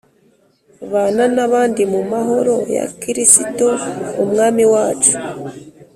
bana nabandi mu mahoro ya kirisito umwami wacu